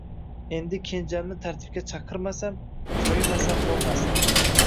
Endi kenjamni tartibga chaqirmasam, koyimasam bo`lmasdi